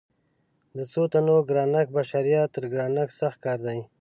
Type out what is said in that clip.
د څو تنو ګرانښت د بشریت تر ګرانښت سخت کار دی.